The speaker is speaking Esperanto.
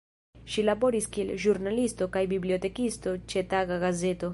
Ŝi laboris kiel ĵurnalisto kaj bibliotekisto ĉe taga gazeto.